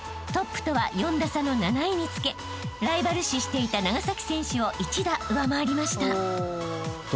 ［トップとは４打差の７位につけライバル視していた長崎選手を１打上回りました］